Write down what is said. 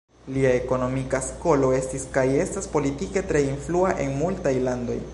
Lia ekonomika skolo estis kaj estas politike tre influa en multaj landoj.